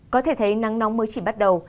có thể thấy nắng nóng mới chỉ bắt đầu